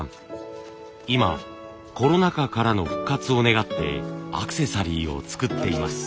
今コロナ禍からの復活を願ってアクセサリーを作っています。